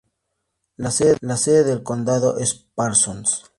La sede del condado es Parsons.